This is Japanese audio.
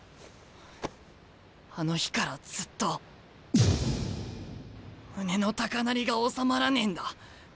あの日からずっと胸の高鳴りが収まらねえんだ。